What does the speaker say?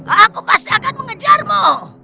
aku pasti akan mengejarmu